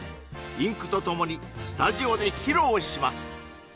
インクとともにスタジオで披露します！